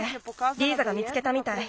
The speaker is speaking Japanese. リーザが見つけたみたい。